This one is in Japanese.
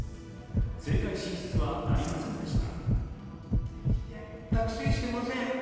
政界進出はなりませんでした。